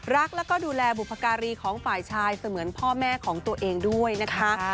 รักแล้วก็ดูแลบุพการีของฝ่ายชายเสมือนพ่อแม่ของตัวเองด้วยนะคะ